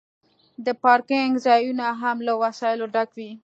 د پارکینګ ځایونه هم له وسایلو ډک وي